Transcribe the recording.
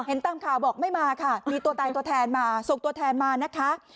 ตามข่าวบอกไม่มาค่ะมีตัวตายตัวแทนมาส่งตัวแทนมานะคะ